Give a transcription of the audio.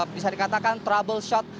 bisa dikatakan trouble shot